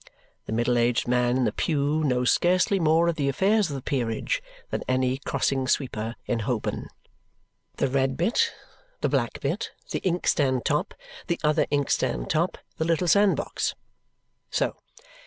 The middle aged man in the pew knows scarcely more of the affairs of the peerage than any crossing sweeper in Holborn. The red bit, the black bit, the inkstand top, the other inkstand top, the little sand box. So!